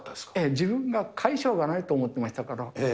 自分がかい性がないと思ってましたから。